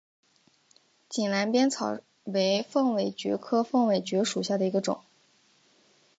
井栏边草为凤尾蕨科凤尾蕨属下的一个种。